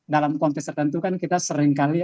dalam konteks tertentu kan kita seringkali